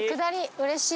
うれしい。